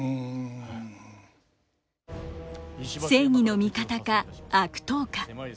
正義の味方か悪党か。